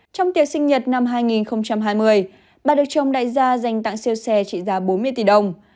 trong tiệc sinh nhật năm hai nghìn hai mươi bà được chồng đại gia dành tặng siêu xe trị giá bốn mươi tỷ đồng